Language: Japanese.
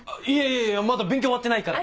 いやいやまだ勉強終わってないから。